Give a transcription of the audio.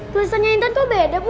tulisannya intan tuh beda bu